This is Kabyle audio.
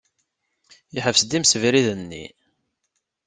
Yeḥbes-d imsebriden-nni.